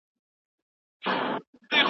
ماته کافر لالی په خوب کې نه راځينه